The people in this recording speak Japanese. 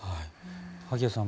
萩谷さん